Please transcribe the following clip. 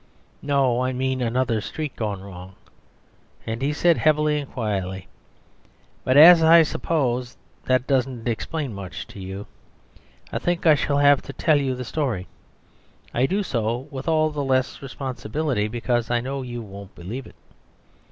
"No, I mean another street gone wrong," and he said heavily and quietly, "but as I suppose that doesn't explain much to you, I think I shall have to tell you the story. I do so with all the less responsibility, because I know you won't believe it.